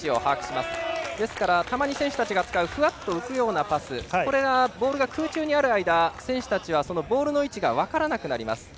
ですから、たまに選手たちが使うふわっと浮くようなパスボールが空中にある間選手たちは、ボールの位置が分からなくなります。